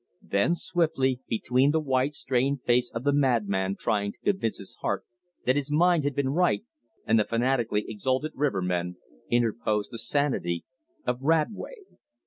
Then swiftly between the white, strained face of the madman trying to convince his heart that his mind had been right, and the fanatically exalted rivermen, interposed the sanity of Radway.